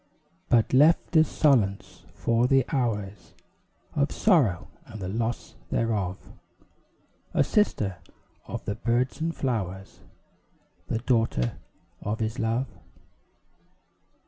But left as solace for the hours Of sorrow and the loss thereof; A sister of the birds and flowers, The daughter of his love.